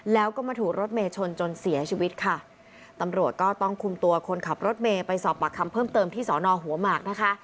แล้วก็มาถูกรถเมย์ชนจนเสียชีวิตค่ะตำรวจก็ต้องคุมตัวคนขับรถเมย์ไปสอบปากคำเพิ่มเติมที่สอนอหัวหมากนะคะ